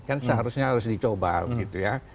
kan seharusnya harus dicoba gitu ya